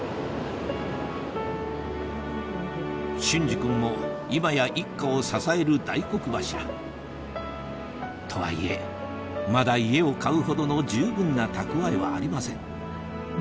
隼司君も今や一家を支える大黒柱とはいえまだ家を買うほどの十分な蓄えはありません